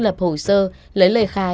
lập hồ sơ lấy lời khai